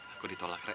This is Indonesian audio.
aku ditolak rek